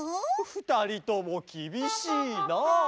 ふたりともきびしいなあ。